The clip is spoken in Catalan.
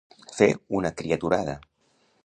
Fer una criaturada.